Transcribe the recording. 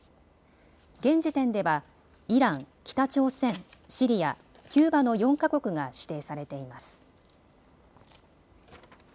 現時点ではイラン、北朝鮮、シリア、キューバの４か国が指定されています。